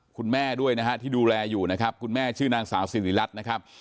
คุณแม่ด้วยนะฮะที่ดูแลอยู่นะครับคุณแม่ชื่อนางสาวสิริรัตน์นะครับ